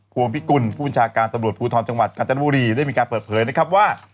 วงพิกุลผู้บัญชาการตำรวจภูทรจังหวัดกาญจนบุรีได้มีการเปิดเผยนะครับว่า